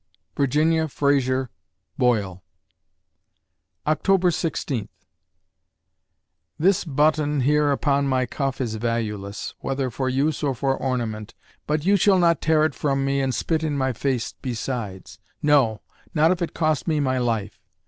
VIRGINIA FRAZER BOYLE October Sixteenth This button here upon my cuff is valueless, whether for use or for ornament, but you shall not tear it from me and spit in my face besides; no, not if it cost me my life.